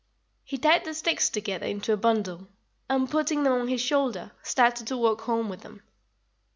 He tied the sticks together into a bundle, and, putting them on his shoulder, started to walk home with them.